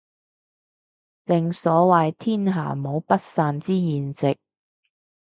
正所謂天下無不散之筵席